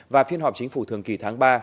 và phiên họp chính phủ thường kỳ tháng ba